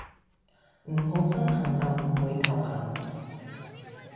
唔好身痕就唔會頭痕